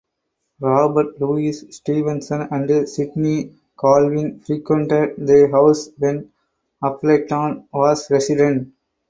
Robert Louis Stevenson and Sidney Colvin frequented the house when Appleton was resident.